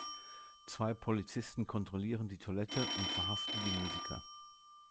Zwei Polizisten kontrollieren die Toilette und verhaften die Musiker.